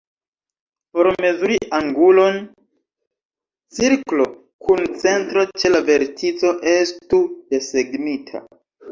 Por mezuri angulon, cirklo kun centro ĉe la vertico estu desegnita.